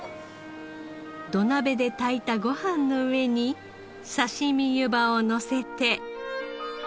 土鍋で炊いたご飯の上にさしみゆばをのせて。